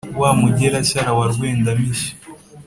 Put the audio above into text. wa mugera-shyara wa rwenda-mishyo